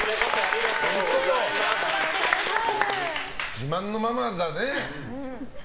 自慢のママだね。